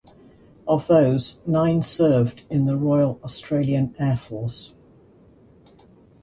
Of those, nine served in the Royal Australian Air Force.